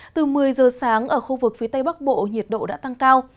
từ một mươi giờ sáng ở khu vực phía tây bắc bộ nhiệt độ đã tăng cao